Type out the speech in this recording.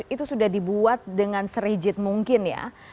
itu sudah dibuat dengan serigit mungkin ya